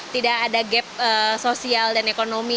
tidak ada gap sosial dan ekonomi